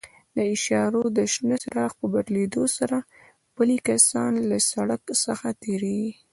د اشارو د شنه څراغ په بلېدو سره پلي کسان له سړک څخه تېرېږي.